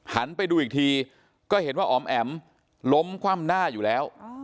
ไปดูอีกทีก็เห็นว่าอ๋อมแอ๋มล้มคว่ำหน้าอยู่แล้ว